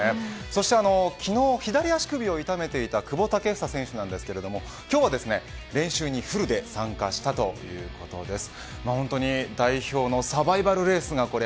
そして昨日左足首を痛めていた久保建英選手ですが今日は練習にフルで参加したということです。